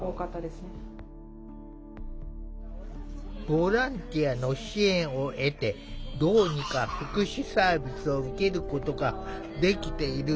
ボランティアの支援を得てどうにか福祉サービスを受けることができているチアゴくん。